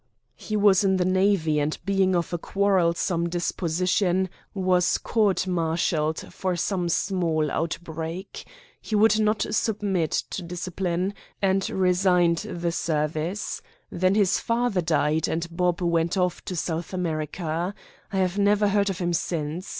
"He was in the navy, and being of a quarrelsome disposition, was court martialled for some small outbreak. He would not submit to discipline, and resigned the service. Then his father died, and Bob went off to South America. I have never heard of him since.